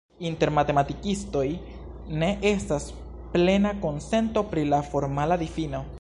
Inter matematikistoj ne estas plena konsento pri la formala difino.